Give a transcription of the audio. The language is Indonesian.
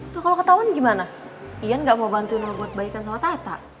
tuh kalo ketahuan gimana iyan gak mau bantuin lo buat kebaikan sama tata